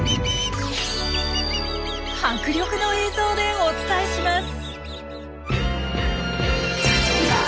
迫力の映像でお伝えします！